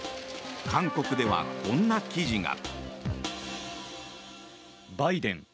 韓国ではこんな記事が。